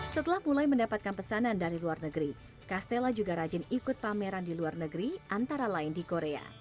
setelah mulai mendapatkan pesanan dari luar negeri castella juga rajin ikut pameran di luar negeri antara lain di korea